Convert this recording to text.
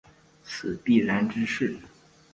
此必然之势。